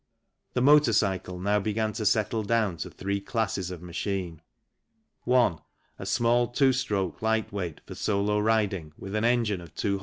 The motor cycle now began to settle down to three classes of machine. 1. A small two stroke lightweight for solo riding, with an engine of 2 H.